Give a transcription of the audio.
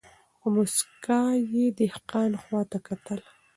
په موسکا یې د دهقان خواته کتله